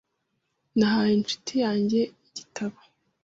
Nahaye inshuti yanjye igitabo .